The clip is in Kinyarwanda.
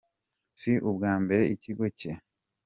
Si ubwa mbere ikigo cya E.